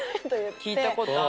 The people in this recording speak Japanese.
聞いたことある。